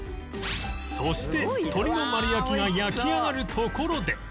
そして鶏の丸焼きが焼き上がるところで